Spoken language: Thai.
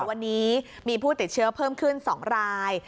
วันนี้มีผู้ติดเชื้อเพิ่มขึ้น๒ราย